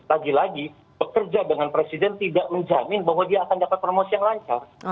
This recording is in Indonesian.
lagi lagi bekerja dengan presiden tidak menjamin bahwa dia akan dapat promosi yang lancar